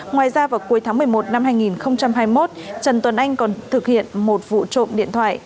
ngoài ra vào cuối tháng một mươi một năm hai nghìn hai mươi một trần tuấn anh còn thực hiện một vụ trộm điện thoại